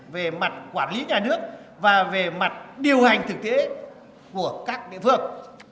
về mặt quản lý nhà nước và về mặt điều hành thực tế của các địa phương